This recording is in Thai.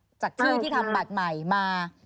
มีคนใครให้ก็จะได้ที่ทำบัตรใหม่มา